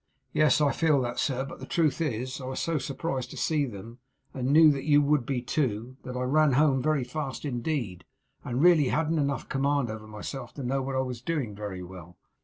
'Yes, I feel that, sir; but the truth is, I was so surprised to see them, and knew you would be too, that I ran home very fast indeed, and really hadn't enough command over myself to know what I was doing very well.